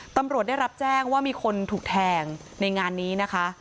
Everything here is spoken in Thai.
ตำรวจได้รับแจ้งว่ามีคนถูกแทงในงานนี้นะคะ